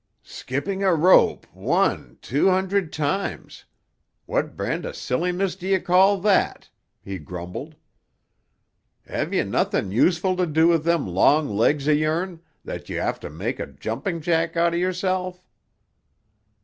"Skipping a rope one, twa hundred times! What brand o' silliness do ye call that?" he grumbled. "Ha' ye nothing useful to do wi' them long legs of yourn, that you have to make a jumping jack out o' yourself?"